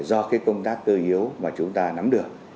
do cái công tác cơ yếu mà chúng ta nắm được